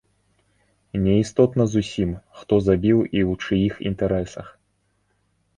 Не істотна зусім, хто забіў і ў чыіх інтарэсах.